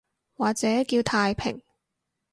或者叫太平